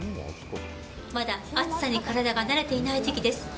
まだ暑さに体が慣れていない時期です。